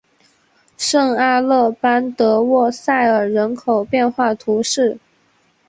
圣阿勒班德沃塞尔人口变化图示